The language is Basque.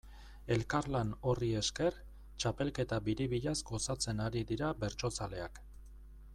Elkarlan horri esker, txapelketa biribilaz gozatzen ari dira bertsozaleak.